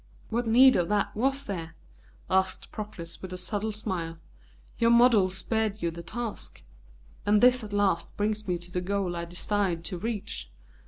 "What need of that was there?" asked Proclus with a subtle smile. "Your model spared you the task. And this at last brings me to the goal I desired to reach.